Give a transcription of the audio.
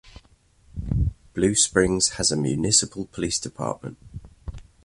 Blue Springs has a Municipal Police Department.